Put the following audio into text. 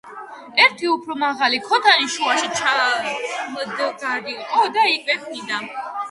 ერთი უფრო მაღლი ქოთანი შუაში ჩამდგარიყო და იკვეხნიდა